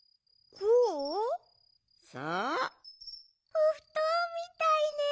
おふとんみたいね。